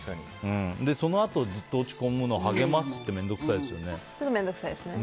そのあと、ずっと落ち込むのを励ますのも面倒くさいですよね。